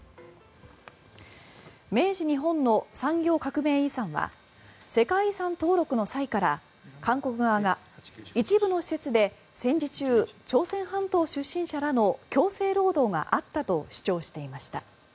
明治日本の産業革命遺産は世界遺産登録の際から韓国側が一部の施設で戦時中、朝鮮半島出身者らの強制労働があったと主張していました。